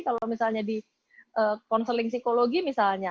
jadi kalau misalnya di konseling psikologi misalnya